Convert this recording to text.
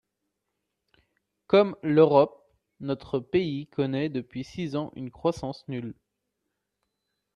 Comme l’Europe, notre pays connaît depuis six ans une croissance nulle.